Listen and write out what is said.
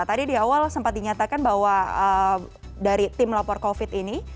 tadi di awal sempat dinyatakan bahwa dari tim lapor covid ini